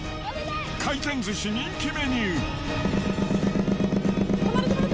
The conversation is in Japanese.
回転寿司人気メニュー。